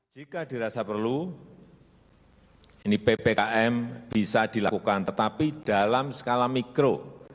jika dirasa perlu ini ppkm bisa dilakukan tetapi dalam skala mikro